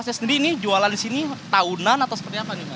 jadi nih jualan di sini tahunan atau seperti apa nih mas